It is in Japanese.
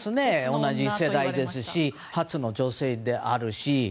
同じ世代ですし初の女性であるし。